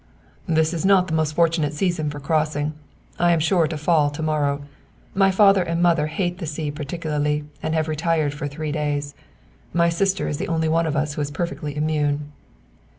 "This is not the most fortunate season for crossing; I am sure to fall to morrow. My father and mother hate the sea particularly and have retired for three days. My sister is the only one of us who is perfectly immune."